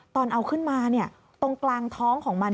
ตอนเอาขึ้นมาตรงกลางท้องของมัน